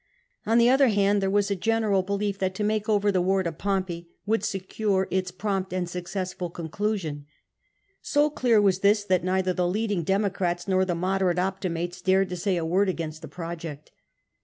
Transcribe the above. On the other hand, there was a general belief that to make over the war to Pompey would secure its prompt and success ful conclusion. So clear was this, that neither the leading Democrats nor the moderate Optimates dared to say a word against the project.